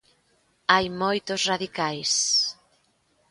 Hai moitos radicais.